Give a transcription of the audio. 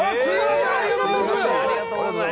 ありがとうございます。